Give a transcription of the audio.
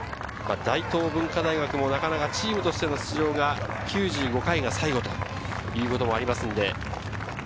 大東文化大学もなかなかチームとしての出場が９５回が最後ということもありますので。